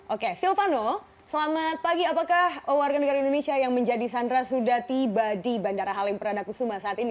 oke silvano selamat pagi apakah warga negara indonesia yang menjadi sandra sudah tiba di bandara halim perdana kusuma saat ini